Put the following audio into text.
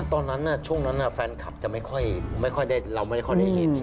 ตอนนั้นช่วงนั้นแฟนคลับเราไม่ได้เห็น